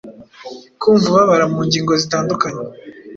Kumva ubabara mu ngingo zitandukanye.